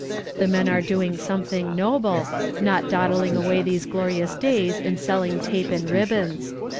The men are doing something noble, not dawdling away these glorious days in selling tape and ribbons.